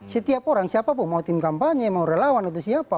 setiap orang siapapun mau tim kampanye mau relawan atau siapa